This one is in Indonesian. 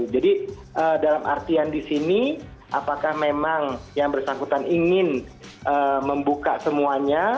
jadi dalam artian di sini apakah memang yang bersangkutan ingin membuka semuanya